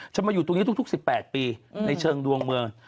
มาอยู่ตรงนี้ทุก๑๘ปีในเชิงดวงเมือง